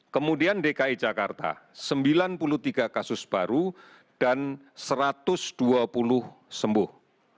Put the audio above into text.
kemudian dki jakarta sembilan puluh tiga kasus baru dan satu ratus dua puluh sembuh